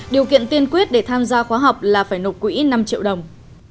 điều kiện tiên quyết để tham gia khóa học là phải nộp quỹ năm triệu đồng